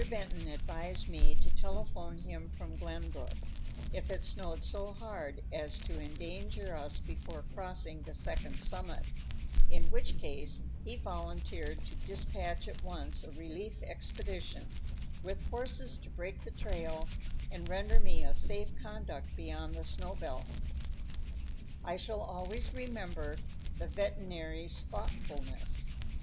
Benton advised me to telephone him from Glenbrook, if it snowed so hard as to endanger us before crossing the second summit, in which case he volunteered to dispatch at once a relief expedition, with horses to break the trail and render me a safe conduct beyond the snow belt. I shall always remember the veterinary's thoughtfulness.